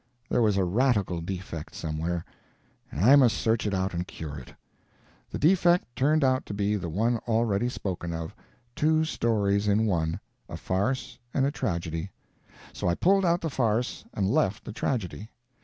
There was a radical defect somewhere, and I must search it out and cure it. The defect turned out to be the one already spoken of two stories in one, a farce and a tragedy. So I pulled out the farce and left the tragedy.